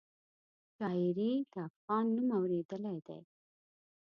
شاعري د افغان نوم اورېدلی دی.